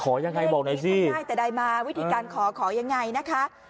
ขอยังไงบอกหน่อยสิวิธีการขอขอยังไงนะคะ